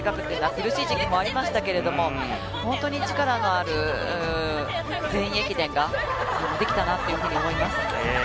苦しい時期もありましたけれど、本当に力のある全員駅伝ができたなって思います。